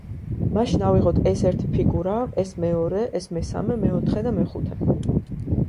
მაშინ ავიღოთ ეს ერთი ფიგურა, ეს მეორე, ეს მესამე, მეოთხე და მეხუთე.